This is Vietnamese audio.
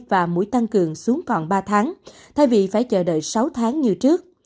và mũi tăng cường xuống còn ba tháng thay vì phải chờ đợi sáu tháng như trước